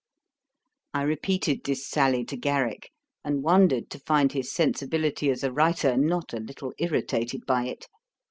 I repeated this sally to Garrick, and wondered to find his sensibility as a writer not a little irritated by it.